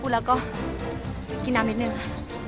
พูดแล้วก็กินน้ำนิดนึง